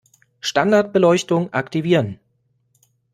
Standardbeleuchtung aktivieren